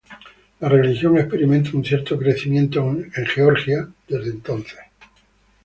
La religión experimenta un cierto crecimiento en Georgia desde entonces.